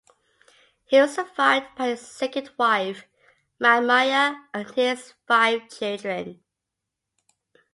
He was survived by his second wife, Manmaya, and his five children.